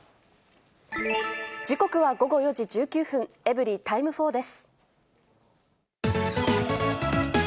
時刻は午後４時１９分、エブリィタイム４です。